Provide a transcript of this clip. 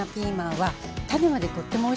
はい。